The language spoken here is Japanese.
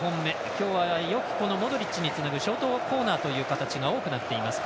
今日は、よくモドリッチにつなぐショートコーナーという形が多くなっています。